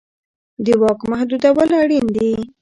د واک محدودول اړین دي